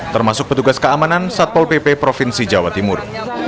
termasuk petugas keamanan satpol pp provinsi jawa timur